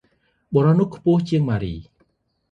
បុរសនោះខ្ពស់ជាងម៉ារី ។